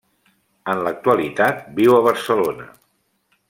En l'actualitat viu a Barcelona.